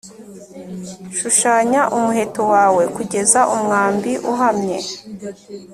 shushanya umuheto wawe kugeza umwambi uhamye